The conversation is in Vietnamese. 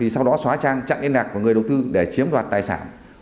sau đó xóa trang chặn yên nạc của người đầu tư để chiếm đoạt tài sản